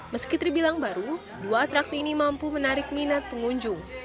meski terbilang baru dua atraksi ini mampu menarik minat pengunjung